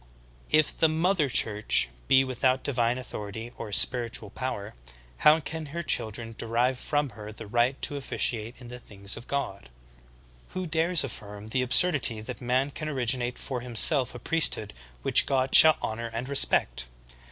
22. If the "2vIother Church" be without divine authority or spiritual power, how can her children derive from her the right to officiate in the things of God ? Who dares affirm the absurdity that man can originate for himself a priesthood which God shall honor and respect?